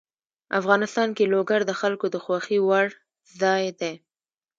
افغانستان کې لوگر د خلکو د خوښې وړ ځای دی.